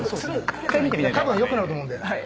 たぶん良くなると思うんで。